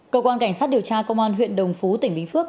cơ quan cảnh sát điều tra công an huyện đồng phú tỉnh bình phước